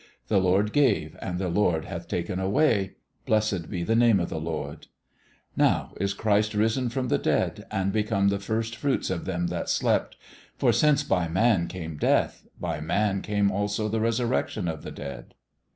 The Lord gave, and the Lord hath taken away ; blessed be the name of the Lord. ... Now is Christ risen from the dead, and become the first fruits of them that slept. For since by man came death, by man came also the resurrection of the dead.